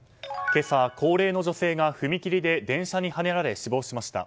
今朝、高齢の女性が踏切で電車にはねられ死亡しました。